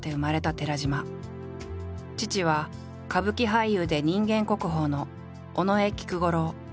父は歌舞伎俳優で人間国宝の尾上菊五郎。